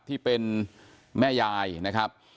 ที่เป็นแม่ยายนะครับ